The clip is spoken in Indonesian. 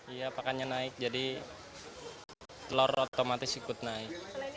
iya pakannya naik jadi telur otomatis ikut naik